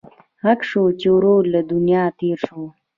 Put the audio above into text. غږ شو چې ورور له دنیا تېر شو.